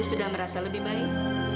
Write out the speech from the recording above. sudah merasa lebih baik